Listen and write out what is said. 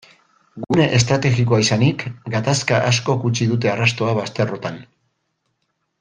Gune estrategikoa izanik, gatazka askok utzi dute arrastoa bazterrotan.